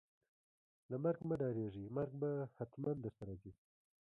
له مرګ مه ډاریږئ ، مرګ به ختمن درته راځي